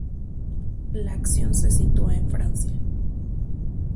La acción se sitúa en Francia.